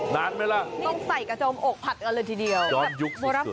นานไหมล่ะต้องใส่กระจมอกผัดกันเลยทีเดียวย้อนยุคโบราณ